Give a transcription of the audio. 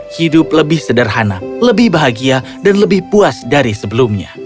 hidup lebih sederhana lebih bahagia dan lebih puas dari sebelumnya